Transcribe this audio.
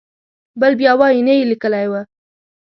بل بیا وایي نه یې لیکلی و.